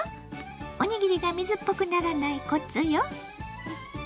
おにぎりが水っぽくならないコツよ。